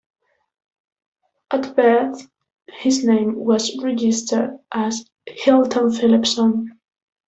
At birth his name was registered as "Hilton Philipson".